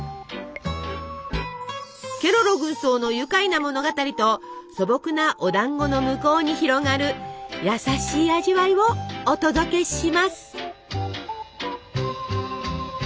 ケロロ軍曹の愉快な物語と素朴なおだんごの向こうに広がる優しい味わいをお届けします！